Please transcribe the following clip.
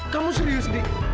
kamu serius ndi